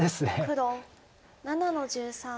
黒７の十三。